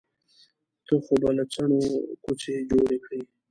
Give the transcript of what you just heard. ته خو به له څڼو کوڅۍ جوړې کړې.